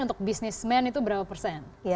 untuk bisnismen itu berapa persen